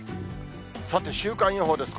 さて、週間予報です。